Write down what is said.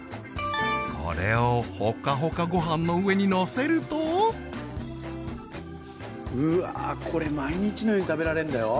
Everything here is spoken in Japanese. これをホカホカご飯の上にのせるとうわこれ毎日のように食べられるんだよ。